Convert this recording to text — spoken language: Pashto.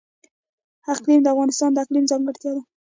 اقلیم د افغانستان د اقلیم ځانګړتیا ده.